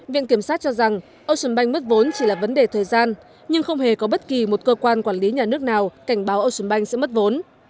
viện kiểm sát cho rằng ocean bank mất vốn chỉ là vấn đề thời gian nhưng không hề có bất kỳ một cơ quan quản lý nhà nước nào cảnh báo ocean bank sẽ mất vốn